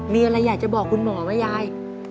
มีอะไรอยากจะบอกคุณหมอไหมยาย